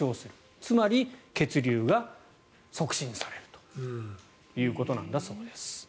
つまり血流が促進されるということなんだそうです。